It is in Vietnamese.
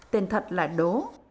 tên thật là đố